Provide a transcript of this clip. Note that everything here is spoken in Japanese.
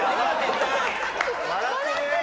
笑ってる！